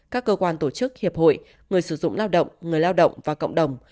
các cơ quan tổ chức hiệp hội người sử dụng lao động người lao động và cộng đồng